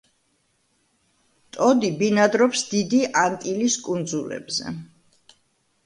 ტოდი ბინადრობს დიდი ანტილის კუნძულებზე.